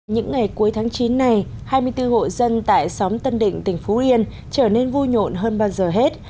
những ngày cuối tháng chín này hai mươi bốn hộ dân tại xóm tân định tỉnh phú yên trở nên vui nhộn hơn bao giờ hết